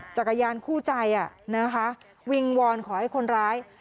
จักรยานคู่ใจนะคะวิงวอนขอให้คนร้าย